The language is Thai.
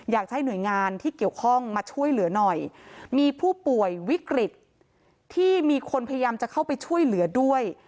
อยากให้หน่วยงานที่เกี่ยวข้องมาช่วยเหลือหน่อยมีผู้ป่วยวิกฤตที่มีคนพยายามจะเข้าไปช่วยเหลือด้วย